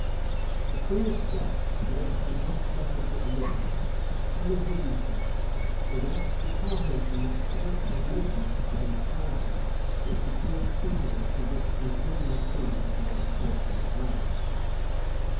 The queen of Scots wrote her last letter to Elizabeth; full of dignity, without departing from that spirit of meekness and of charity which appeared suitable to this concluding scene of her unfortunate life.